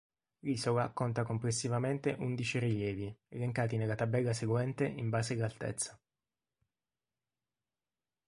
L'isola conta complessivamente undici rilievi, elencati nella tabella seguente in base all'altezza.